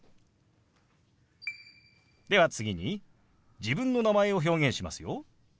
では次に自分の名前を表現しますよ。